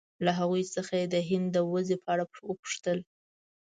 له هغوی څخه یې د هند د وضعې په اړه وپوښتل.